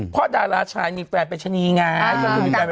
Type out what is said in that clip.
เพราะดาราชายมีแฟนเป็นชะนีไง